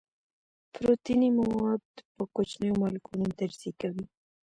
پروتیني مواد په کوچنیو مالیکولونو تجزیه کوي.